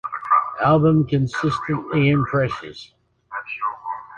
The album consistently impresses.